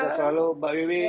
selamat selalu mbak wiwi